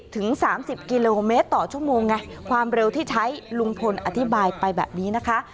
ถึง๓๐กิโลเมตรต่อชั่วโมงไงความเร็วที่ใช้ลุงพลอธิบายไปแบบนี้นะคะ